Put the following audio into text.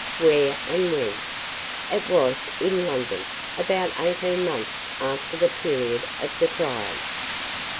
"Where and when?" "It was in London, about eighteen months after the period of the trial!"